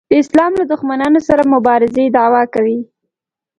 د اسلام له دښمنانو سره مبارزې دعوا کوي.